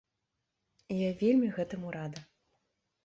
І я вельмі гэтаму рада.